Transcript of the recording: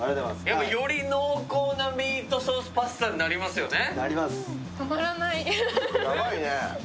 より濃厚なミートソースパスタになりますね。